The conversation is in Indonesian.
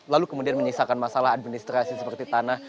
lalu kemudian menyisakan masalah administrasi seperti tanah